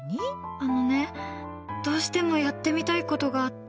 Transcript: あのね、どうしてもやってみたいことがあって。